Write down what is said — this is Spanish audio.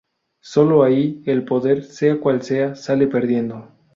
Sólo ahí, el poder, sea cual sea, sale perdiendo.".